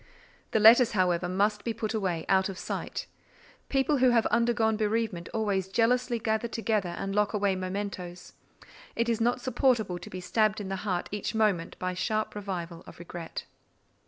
The letters, however, must be put away, out of sight: people who have undergone bereavement always jealously gather together and lock away mementos: it is not supportable to be stabbed to the heart each moment by sharp revival of regret.